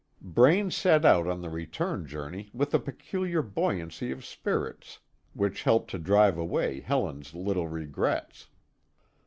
Braine set out on the return journey with a peculiar buoyancy of spirits which helped to drive away Helen's little regrets.